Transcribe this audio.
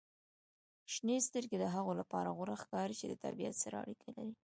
• شنې سترګې د هغوی لپاره غوره ښکاري چې د طبیعت سره اړیکه لري.